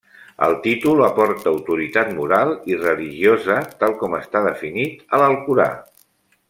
El títol aporta autoritat moral i religiosa tal com està definit a l'Alcorà.